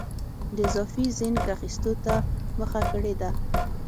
د اضافي زېنک اخیستو ته مخه کړې ده.